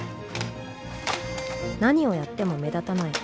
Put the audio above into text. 何をやっても目立たない。